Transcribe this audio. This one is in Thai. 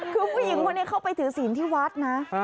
คือผู้หญิงคนนี้เข้าไปถือศีลที่วัดนะ